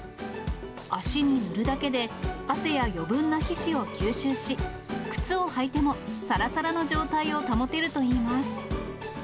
足に塗るだけで汗や余分な皮脂を吸収し、靴を履いてもさらさらな状態を保てるといいます。